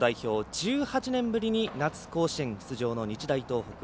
１８年ぶりに夏、甲子園出場の日大東北。